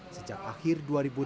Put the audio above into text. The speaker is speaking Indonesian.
sejak akhir dua ribu delapan belas